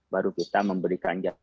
baru kita memberikan ganja